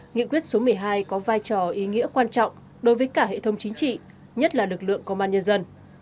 nghị quyết số một mươi hai có vai trò ý nghĩa quan trọng đối với cả hệ thống chính trị nhất là lực lượng công an nhân dân